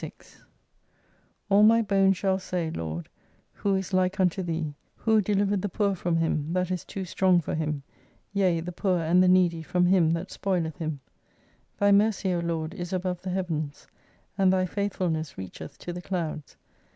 76 All my hones shall say, Lord, who is like unio Thee, who delivered the poor from him that is too strong for him ; yea, the poor and the needy from him that spoileth him I Thy mercy, O Lord, is above the Heavens, and Thy faithfulness reacheth to the clouds.